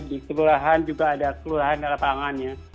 di kelurahan juga ada kelurahan dan lapangannya